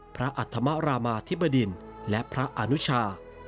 พระอัตธรมาธิบดินและพระอนุชา